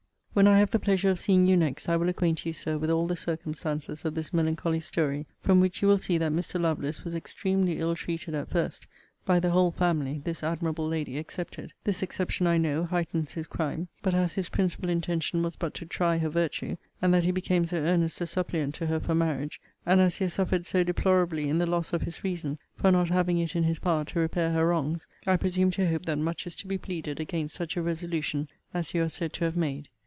When I have the pleasure of seeing you next, I will acquaint you, Sir, with all the circumstances of this melancholy story; from which you will see that Mr. Lovelace was extremely ill treated at first, by the whole family, this admirable lady excepted. This exception, I know, heightens his crime: but as his principal intention was but to try her virtue; and that he became so earnest a suppliant to her for marriage; and as he has suffered so deplorably in the loss of his reason, for not having it in his power to repair her wrongs; I presume to hope that much is to be pleaded against such a resolution as you are said to have made.